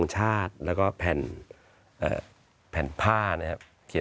สวัสดีครับทุกคน